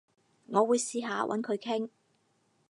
我會試下搵佢傾